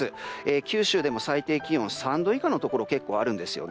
九州でも最低気温３度以下のところ結構あるんですよね。